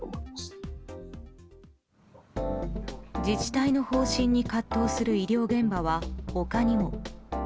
自治体の方針に葛藤する医療現場は他にも。